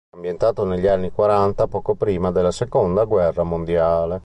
Ambientato negli anni quaranta poco prima della seconda guerra mondiale.